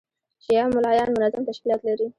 شیعه مُلایان منظم تشکیلات لري.